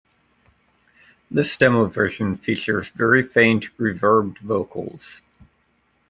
This demo version features very faint, reverbed vocals.